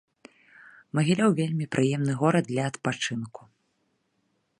Магілёў вельмі прыемны горад для адпачынку.